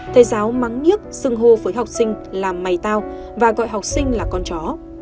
thầy giáo mắng nhức xưng hô với học sinh làm máy tao và gọi học sinh là con chó